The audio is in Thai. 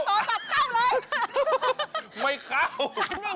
โทรศัพท์เข้าเลย